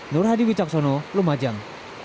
nur hadi wicaksono lumajang